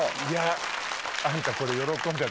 いやあんたこれ。